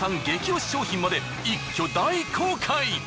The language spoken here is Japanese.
激押し商品まで一挙大公開。